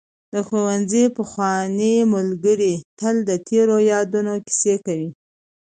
د ښوونځي پخواني ملګري تل د تېرو یادونو کیسې کوي.